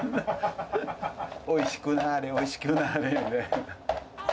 おいしくなーれ、おいしくなーれ。